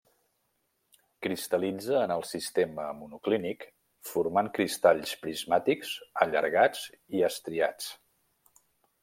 Cristal·litza en el sistema monoclínic formant cristalls prismàtics allargats i estriats.